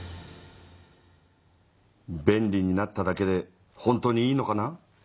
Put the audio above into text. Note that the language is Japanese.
便利になっただけで本当にいいのかな？